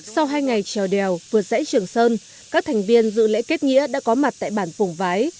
sau hai ngày trèo đèo vượt dãy trường sơn các thành viên dự lễ kết nghĩa đã có mặt tại bản phùng vái